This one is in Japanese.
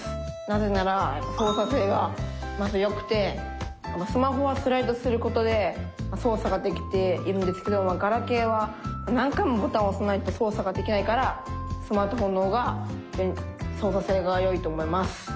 なぜならそうさ性がまずよくてスマホはスライドすることでそうさができているんですけどガラケーは何回もボタンをおさないとそうさができないからスマートフォンのほうがそうさ性がよいと思います。